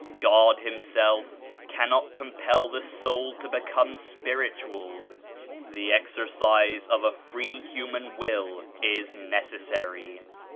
God Himself cannot compel the soul to be come spiritual. The exercise of a free human will is necessary.